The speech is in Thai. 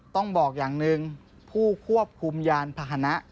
ต้องบอกอย่างหนึ่งผู้ควบคุมยานพาหนะ